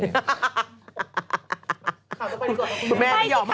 ข่าวต่อไปดีกว่าครับคุณแม่